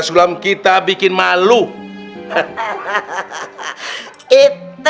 harumah khawatir kelelaku amai sama ami